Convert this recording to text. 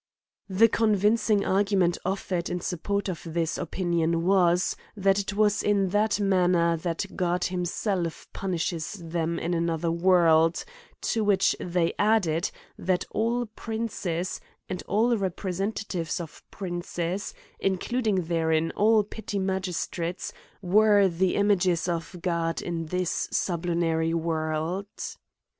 The convincing argument offt^red in support of this opinion was, that it was in that manner that God himself punishes them in another world ; to which they added that all princes, and all representatives of princes, including therein all petty magistrates, were the images of God in this sublunarv world